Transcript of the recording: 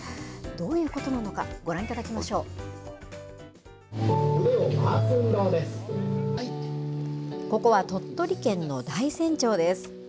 どういうことなのか、ご覧いただここは鳥取県の大山町です。